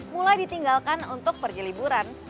mulai ditinggalkan untuk pergi liburan